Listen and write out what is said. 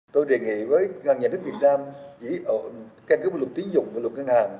tôi đề nghị với ngàn nhà nước việt nam chỉ khen cứ một lục tín dụng một lục ngân hàng